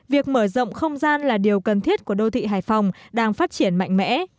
việc mở rộng không gian là điều cần thiết của đô thị hải phòng đang phát triển mạnh mẽ